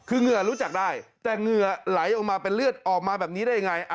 คือเหงื่อรู้จักได้แต่เหงื่อไหลออกมาเป็นเลือดออกมาแบบนี้ได้ยังไง